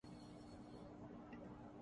انہوں نے اس کو مخبری کا کام دے دیا